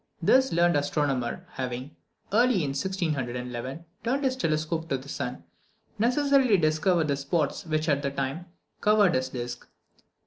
This learned astronomer having, early in 1611, turned his telescope to the sun, necessarily discovered the spots which at that time covered his disc.